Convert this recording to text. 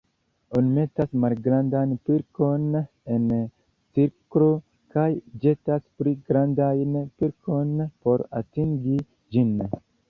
Oni metas malgrandan pilkon en cirklo kaj ĵetas pli grandajn pilkon por atingi ĝin.